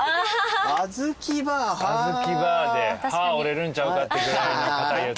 あずきバーで歯折れるんちゃうかってぐらいの硬いやつ。